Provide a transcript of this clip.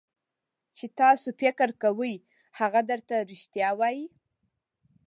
چې تاسو فکر کوئ هغه درته رښتیا وایي.